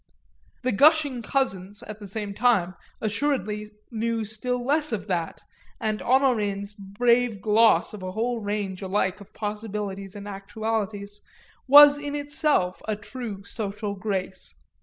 The gushing cousins, at the same time, assuredly knew still less of that, and Honorine's brave gloss of a whole range alike of possibilities and actualities was in itself a true social grace.